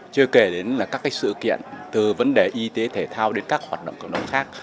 chưa kể đến là các sự kiện từ vấn đề y tế thể thao đến các hoạt động cộng đồng khác